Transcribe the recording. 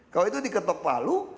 kalau itu diketuk palu